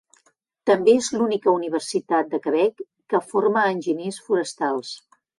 També és l'única universitat de Quebec que forma a enginyers forestals.